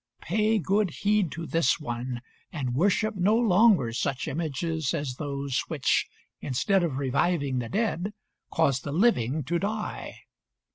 Pay good heed to this one, and worship no longer such images as those, which, instead of reviving the dead, cause the living to die.